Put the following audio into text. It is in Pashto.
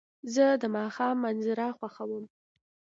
زه د ماښام منظر خوښوم.